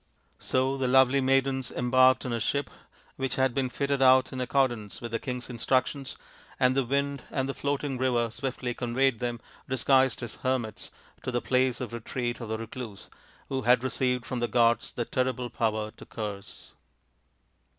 So the lovely maidens embarked on a ship which had been fitted out in accordance with the king's instructions, and the wind and the floating river swiftly conveyed them, disguised as hermits, to the place of retreat of the recluse, who had received from the gods the terrible power to curse.